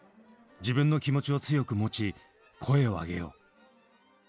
自分の気持ちを強く持ち声を上げよう。